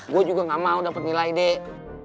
gue juga enggak mau dapet nilai deh